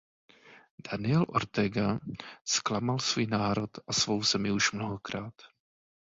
Daniel Ortega zklamal svůj národ a svou zemi už mnohokrát.